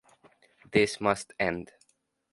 This must end.